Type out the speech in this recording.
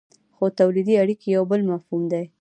خو تولیدي اړیکې یو بل مفهوم دی.